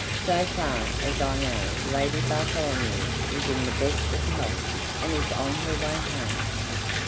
"So far as I know Lady Bartholomew is in the best of health and is on her way home."